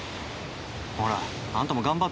ほらあんたも頑張っ